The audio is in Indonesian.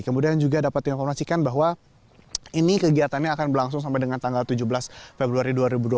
kemudian juga dapat diinformasikan bahwa ini kegiatannya akan berlangsung sampai dengan tanggal tujuh belas februari dua ribu dua puluh